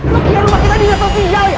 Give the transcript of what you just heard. lo kira rumah kita dihidupin sial ya